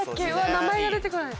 名前が出てこない。